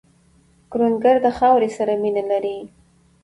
کروندګر د خاورې سره مینه لري